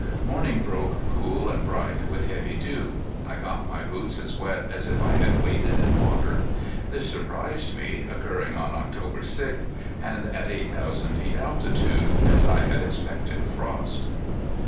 Morning broke cool and bright, with heavy dew. I got my boots as wet as if I had waded in water. This surprised me, occurring on October sixth, and at eight thousand feet altitude, as I had expected frost.